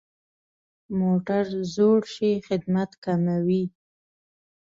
موټر زوړ شي، خدمت کموي.